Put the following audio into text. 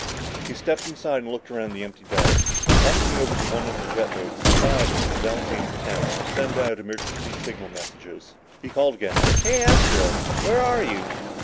He stepped inside and looked around the empty deck. Walking over to one of the jet boats, he saw evidence of Al James's attempts to send out emergency signal messages. He called again. "Hey, Astro where are you?"